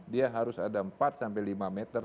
dia harus ada empat sampai lima meter